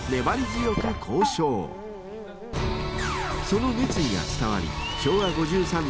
［その熱意が伝わり］